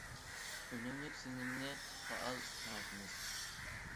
ئۈنۈملۈك سېلىنمىنى پائال كېڭەيتىمىز.